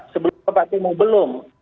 sebelum pak timo belum